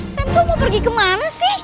sam tuh mau pergi kemana sih